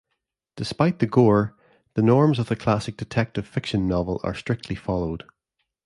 Despite the gore, the norms of the classic detective fiction novel are strictly followed.